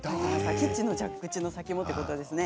キッチンの蛇口の先もということですね。